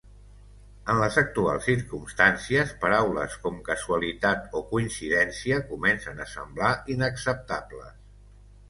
En les actuals circumstàncies paraules com casualitat o coincidència comencen a semblar inacceptables.